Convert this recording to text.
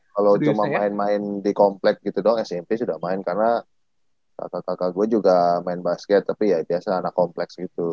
kalau cuma main main di komplek gitu doang smp sudah main karena kakak kakak gue juga main basket tapi ya biasa anak kompleks gitu